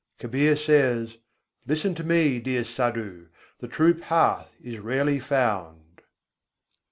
Kabîr says, "Listen to me, dear Sadhu! the true path is rarely found."